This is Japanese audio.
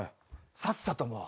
さっさともう。